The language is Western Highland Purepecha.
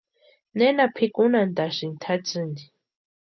¿Nena pʼikunhantʼasïni tʼatsïni?